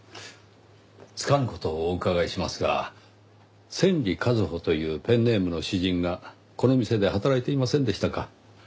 つかぬ事をお伺いしますが千里一歩というペンネームの詩人がこの店で働いていませんでしたか？